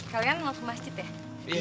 kalian mau ke masjid ya